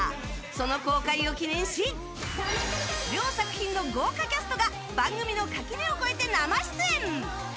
その公開を記念し両作品の豪華キャストが番組の垣根を超えて生出演！